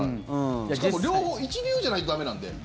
しかも両方一流じゃないと駄目なんで。